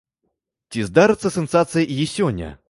Ці здарыцца сенсацыя і сёння?